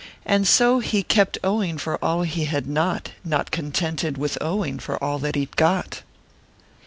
And so he kept oh ing for all he had not, Not contented with owing for all that he d got.